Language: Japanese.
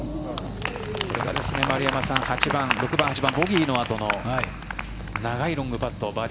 これが、丸山さん、６番、８番ボギーのあとの長いロングパット